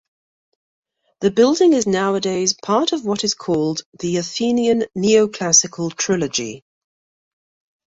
The building is nowadays part of what is called the "Athenian Neoclassical Trilogy".